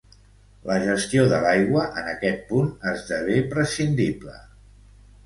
La gestió de l'aigua, en aquest punt, esdevé prescindible.